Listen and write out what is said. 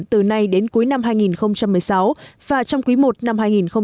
từ nay đến cuối năm hai nghìn một mươi sáu và trong quý i năm hai nghìn hai mươi